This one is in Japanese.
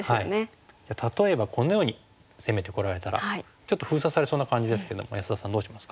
例えばこのように攻めてこられたらちょっと封鎖されそうな感じですけど安田さんどうしますか？